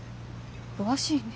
詳しいね。